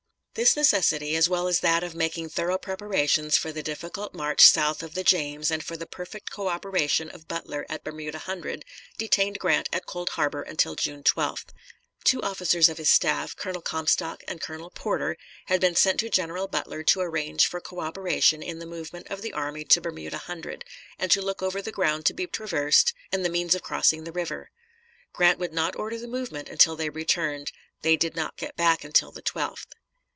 This necessity, as well as that of making thorough preparations for the difficult march south of the James and for the perfect co operation of Butler at Bermuda Hundred, detained Grant at Cold Harbor until June 12th. Two officers of his staff, Colonel Comstock and Colonel Porter, had been sent to General Butler to arrange for co operation in the movement of the army to Bermuda Hundred, and to look over the ground to be traversed and the means of crossing the river. Grant would not order the movement until they returned. They did not get back until the 12th.